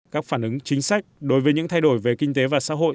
các phản ứng chính sách đối với những thay đổi về kinh tế và xã hội